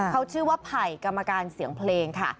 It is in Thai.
เขาชื่อว่าไผ่กรรมการเสียงเพลงค่ะ